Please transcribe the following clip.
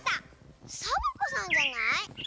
サボ子さんじゃない？